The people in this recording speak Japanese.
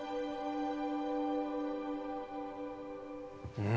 うん。